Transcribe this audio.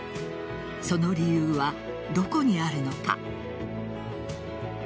その理由はどこにあるのか。